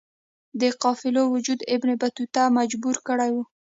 د قافلو وجود ابن بطوطه مجبور کړی وی.